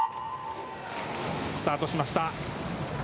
スタートしました。